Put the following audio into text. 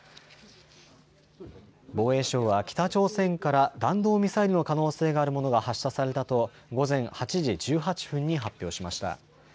防衛省は北朝鮮から弾道ミサイルの可能性があるものが発射されたと午前８時１８分に発表しました。